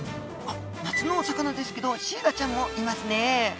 あっ夏のお魚ですけどシイラちゃんもいますね。